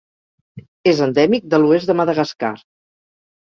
És endèmic de l'oest de Madagascar.